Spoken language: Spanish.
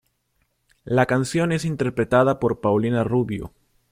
La canción es interpretada por Paulina Rubio.